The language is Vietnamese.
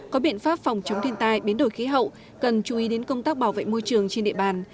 có biện pháp phòng chống thiên tai biến đổi khí hậu cần chú ý đến công tác bảo vệ môi trường trên địa bàn